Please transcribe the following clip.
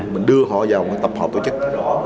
mình đưa họ vào một tập hợp tổ chức